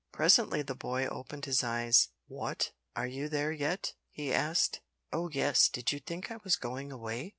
Presently the boy opened his eyes. "Wot, are you there yet?" he asked. "Oh yes. Did you think I was going away?"